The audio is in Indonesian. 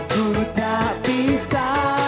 ku tak bisa